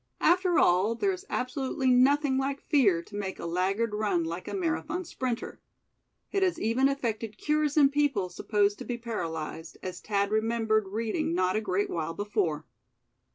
After all there is absolutely nothing like fear to make a laggard run like a Marathon sprinter. It has even effected cures in people supposed to be paralyzed, as Thad remembered reading not a great while before.